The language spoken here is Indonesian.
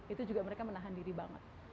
itu juga mereka menahan diri banget